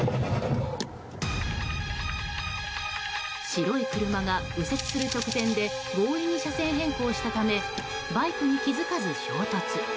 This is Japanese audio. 白い車が右折する直前で強引に車線変更したためバイクに気づかず衝突。